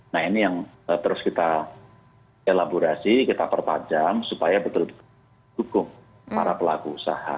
nah ini yang terus kita elaborasi kita perpajam supaya betul betul dukung para pelaku usaha